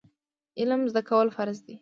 علم زده کول فرض دي